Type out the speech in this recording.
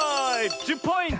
１０ポイント！